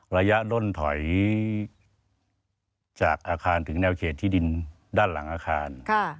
ระยะล่นถอยจากอาคารถึงแนวเขตที่ดินด้านหลังอาคาร